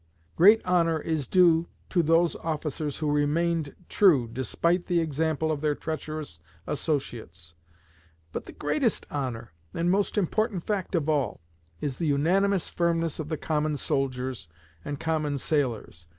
Great honor is due to those officers who remained true, despite the example of their treacherous associates; but the greatest honor, and most important fact of all, is the unanimous firmness of the common soldiers and common sailors.